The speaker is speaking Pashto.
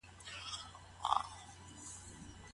د ژوند مقام یوازي لایقو ته نه سي سپارل کېدلای.